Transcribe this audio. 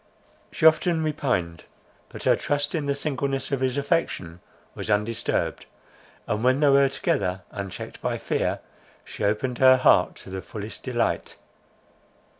She often repined; but her trust in the singleness of his affection was undisturbed; and, when they were together, unchecked by fear, she opened her heart to the fullest delight.